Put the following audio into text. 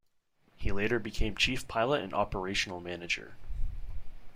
He later became Chief Pilot and Operational Manager.